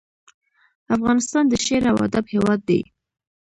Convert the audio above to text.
افغانستان د شعر او ادب هیواد دی